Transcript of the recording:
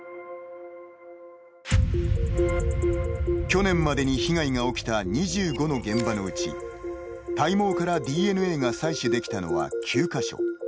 去年までに被害が起きた２５の現場のうち体毛からＤＮＡが採取できたのは９か所。